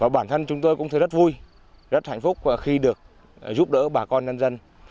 bản thân chúng tôi cũng thấy rất vui rất hạnh phúc khi được giúp đỡ bà con nhân dân